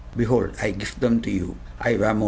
Behold, I gif them to you! I vamos!